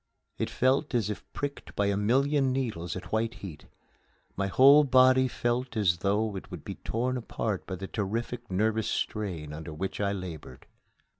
It felt as if pricked by a million needles at white heat. My whole body felt as though it would be torn apart by the terrific nervous strain under which I labored.